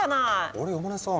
あれ山根さん